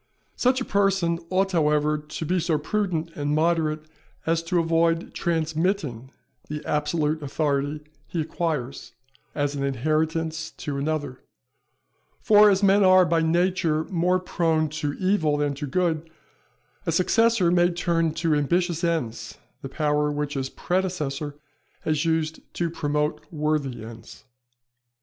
Such a person ought however to be so prudent and moderate as to avoid transmitting the absolute authority he acquires, as an inheritance to another; for as men are, by nature, more prone to evil than to good, a successor may turn to ambitious ends the power which his predecessor has used to promote worthy ends.